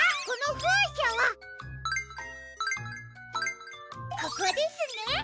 ここですね。